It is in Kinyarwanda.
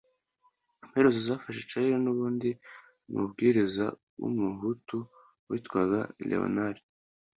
amaherezo zafashe charles n’undi mubwiriza w’umuhutu witwaga leonard